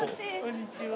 こんにちは。